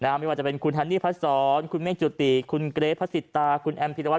ไม่ว่าจะเป็นคุณฮันนี่พะศรคุณเม่งจูอติกร๊๊อยพระศิรตาแอร์มพีดวัด